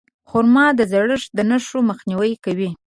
خرما د زړښت د نښو مخنیوی کوي.